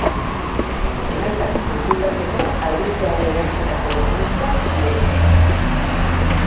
Emaitzak kontsultatzeko, albisteari erantsitako dokumentuak ireki.